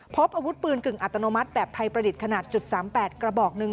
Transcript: พบอาวุธปืนกึ่งอัตโนมัติแบบไทยประดิษฐ์ขนาด๓๘กระบอกหนึ่ง